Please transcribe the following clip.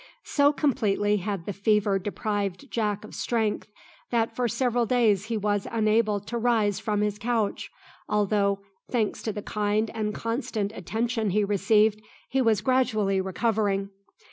So completely had the fever deprived Jack of strength, that for several days he was unable to rise from his couch, although, thanks to the kind and constant attention he received, he was gradually recovering.